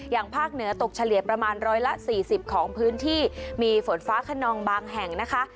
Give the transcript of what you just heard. ภาคเหนือตกเฉลี่ยประมาณ๑๔๐ของพื้นที่มีฝนฟ้าขนองบางแห่งนะคะ